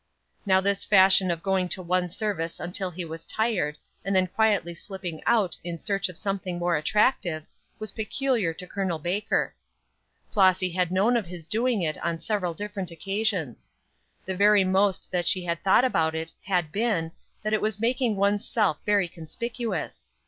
Now this fashion of going to one service until he was tired, and then quietly slipping out in search of something more attractive, was peculiar to Col. Baker. Flossy had known of his doing it on several different occasions. The very most that she had thought about it had been, that it was making one's self very conspicuous.